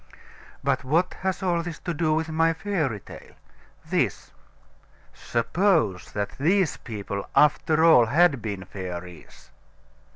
But what has all this to do with my fairy tale? This: Suppose that these people, after all, had been fairies?